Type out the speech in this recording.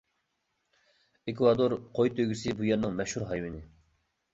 ئېكۋادور قوي تۆگىسى بۇ يەرنىڭ مەشھۇر ھايۋىنى.